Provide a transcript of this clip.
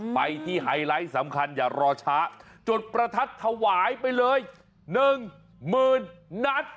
ไปที่หิวไซต์สำคัญอย่ารอชะจุดประทัดถวายไปเลย๑๐๐๐๐นัด